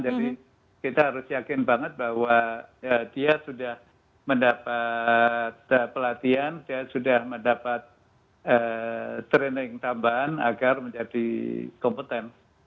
jadi kita harus yakin banget bahwa dia sudah mendapat pelatihan dia sudah mendapat training tambahan agar menjadi kompeten